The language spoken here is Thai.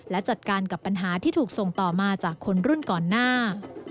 และจัดการกับปัญหาที่ถูกส่งต่อมาจากคนรุ่นก่อนหน้า